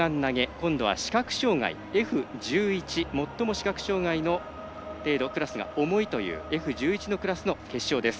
今度は視覚障がいＦ１１最も視覚障がいの程度クラスが重いというＦ１１のクラスの決勝です。